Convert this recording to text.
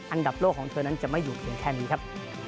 อันดับโลกของเธอนั้นจะไม่อยู่เพียงแค่นี้ครับ